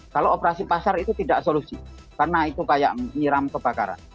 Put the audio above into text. kalau operasi pasar itu tidak solusi karena itu kayak nyiram kebakaran